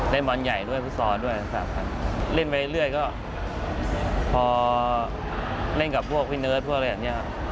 เล่นบอลใหญ่ด้วยฟุตซอลด้วยเล่นไปเรื่อยก็พอเล่นกับพี่เนิดพวกอะไรอย่างนี้